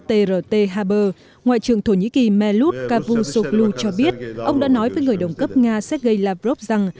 trt haber ngoại trưởng thổ nhĩ kỳ melut cavusoglu cho biết ông đã nói với người đồng cấp nga sergei lavrov rằng